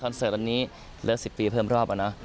คอนเสิร์ตตอนนี้เลิก๑๐ปีเพิ่มรอบแล้วนะ